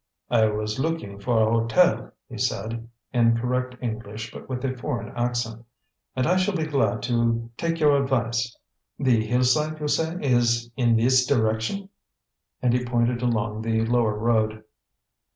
"I was looking for a hotel," he said, in correct English but with a foreign accent, "and I shall be glad to take your advice. The Hillside, you say, is in this direction?" and he pointed along the lower road.